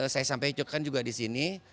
saya sampaikan juga di sini